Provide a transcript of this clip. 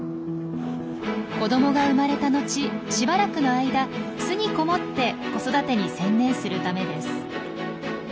子どもが生まれたのちしばらくの間巣に籠もって子育てに専念するためです。